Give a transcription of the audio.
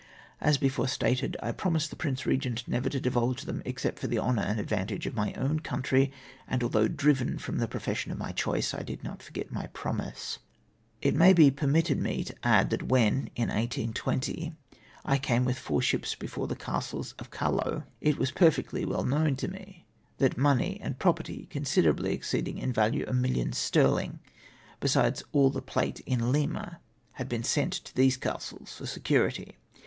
As before stated, I promised the Prince Eegent never to divulge them except for the honour and advantage of my own country, and although driven from the profession of my choice I did not forget my promise. It may be permitted me to add that when, in 1820, I came with four ships before the Castles of Callao, ,IN SPITE OP DIFFICULTIES. 237 it was perfectly well known to me that money anJ property considerably exceeding in valne a million sterling, besides all the plate in Lima, had been sent to these castles for security.